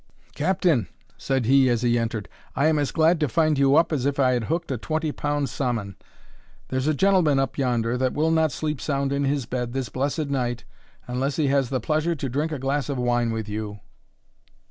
"Captain," said he, as he entered, "I am as glad to find you up as if I had hooked a twenty pound saumon. There's a gentleman up yonder that will not sleep sound in his bed this blessed night unless he has the pleasure to drink a glass of wine with you."